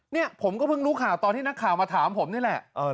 เนี่ยผมก็เพิ่งรู้ข่าวตอนที่นักข่าวมาถามผมนี่แหละ